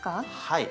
はい。